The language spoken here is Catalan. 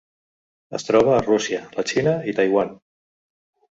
Es troba a Rússia, la Xina i Taiwan.